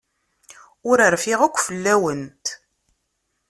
Ur rfiɣ akk fell-awent.